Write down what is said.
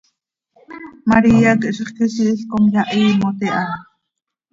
María quih zixquisiil com yahiimot iha.